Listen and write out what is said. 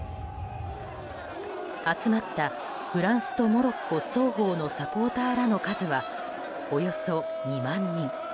集まったフランスとモロッコ双方のサポーターらの数はおよそ２万人。